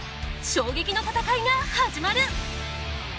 衝撃の戦いが始まる！